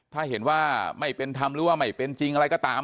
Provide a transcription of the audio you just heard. ถ้าเห็นว่าไม่เป็นธรรมหรือว่าไม่เป็นจริงอะไรก็ตาม